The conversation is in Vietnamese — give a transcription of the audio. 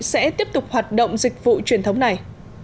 sẽ tiếp tục hoạt động dịch vụ truyền thống này